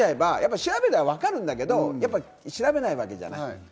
調べたらわかるんだけど、調べないわけじゃない。